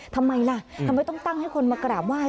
ทำไมล่ะทำไมต้องตั้งให้คนมากราบไหว้